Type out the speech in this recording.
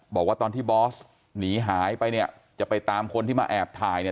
บอกว่าตอนที่บอสหนีหายไปเนี่ยจะไปตามคนที่มาแอบถ่ายเนี่ย